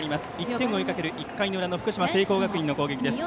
１点を追いかける１回の裏の福島・聖光学院の攻撃です。